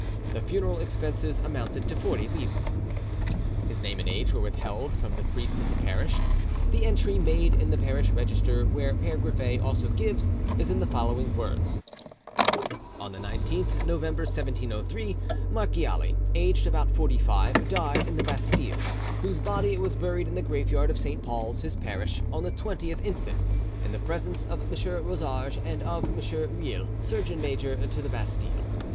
The funeral expenses amounted to 40 livres." His name and age were withheld from the priests of the parish. The entry made in the parish register, which Pere Griffet also gives, is in the following words:— "On the 19th November 1703, Marchiali, aged about forty five, died in the Bastille, whose body was buried in the graveyard of Saint Paul's, his parish, on the 20th instant, in the presence of M. Rosarges and of M. Reilh, Surgeon Major of the Bastille.